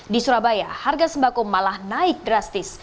di surabaya harga sembako malah naik drastis